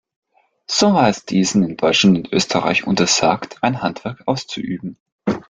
So war es diesen in Deutschland und Österreich untersagt, ein Handwerk auszuüben.